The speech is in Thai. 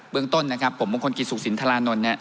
เบื้องต้นนะครับผมมงคลกิจสุขสินธรานนทร์นะครับ